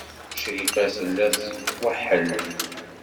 Crifa tella tweḥḥel.